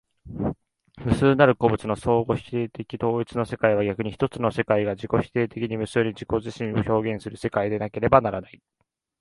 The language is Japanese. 無数なる個物の相互否定的統一の世界は、逆に一つの世界が自己否定的に無数に自己自身を表現する世界でなければならない。